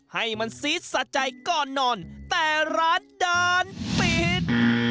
ให้มันซีดสะใจก่อนนอนแต่ร้านดันปิด